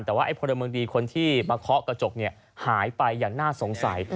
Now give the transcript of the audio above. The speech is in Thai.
แต่ว่าไอพลเมืองดีคนที่มาเคาะกระจกหายไปอย่างน่าสงสัย